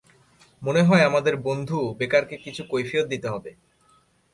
মনে হয় আমাদের বন্ধু বেকারকে কিছু কৈফিয়ত দিতে হবে।